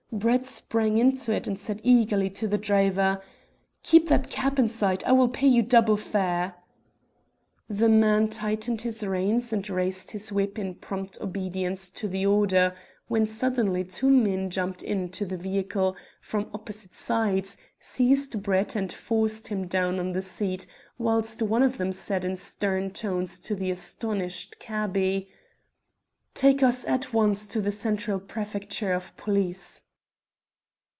Brett sprang into it and said eagerly to the driver "Keep that cab in sight! I will pay you double fare!" The man tightened his reins and raised his whip in prompt obedience to the order, when suddenly two men jumped into the vehicle from opposite sides, seized Brett and forced him down on to the seat, whilst one of them said in stern tones to the astonished cabby "Take us at once to the Central Prefecture of Police."